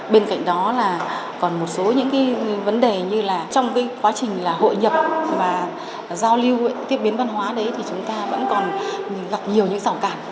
bên cạnh đó là còn một số những cái vấn đề như là trong cái quá trình hội nhập và giao lưu tiếp biến văn hóa đấy thì chúng ta vẫn còn gặp nhiều những sảo cản